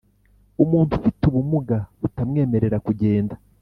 umuntu ufite ubumuga butamwemerera kugenda